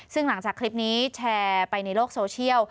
ซึ่งหลังจากคลิปนี้แชร์ไปในโลกโซเชียล